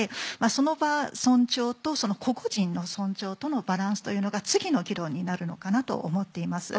その場尊重と個個人の尊重とのバランスというのが次の議論になるのかなと思っています。